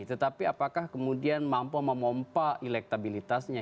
tetapi apakah kemudian mampu memompak electabilitasnya